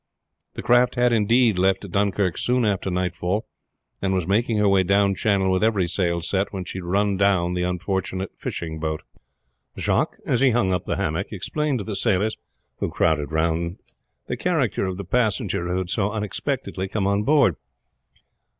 The craft had, indeed, left Dunkirk soon after nightfall, and was making her way down channel with every sail set when she had run down the unfortunate fishing boat. Jacques, as he hung up the hammock, explained to the sailors who crowded round the character of the passenger who had so unexpectedly come on board.